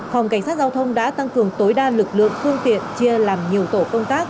phòng cảnh sát giao thông đã tăng cường tối đa lực lượng phương tiện chia làm nhiều tổ công tác